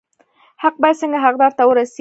حق باید څنګه حقدار ته ورسي؟